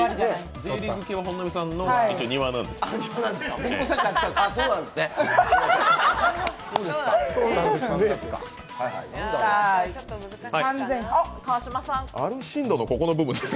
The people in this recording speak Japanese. Ｊリーグは本並さんの庭なんです。